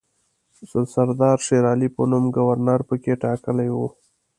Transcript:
د سردار شېرعلي په نوم ګورنر پکې ټاکلی وو.